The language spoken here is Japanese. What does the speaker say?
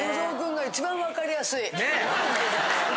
一番分かりやすい。